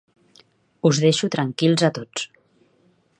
Us deixo tranquils a tots